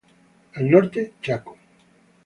Al norte: Chaco.